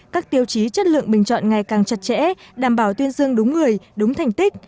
các tiêu chí chất lượng bình chọn ngày càng chặt chẽ đảm bảo tuyên dương đúng người đúng thành tích